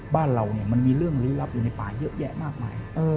บ้านเรามันมีเรื่องลี้ลับอยู่ในป่าเยอะแยะมากมาย